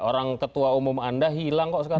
orang ketua umum anda hilang kok sekarang